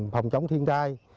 phòng chống thiên tai